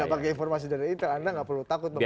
bagi informasi dari intel anda nggak perlu takut